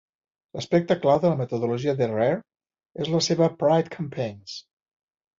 L'aspecte clau de la metodologia de Rare és la seva "Pride Campaign's".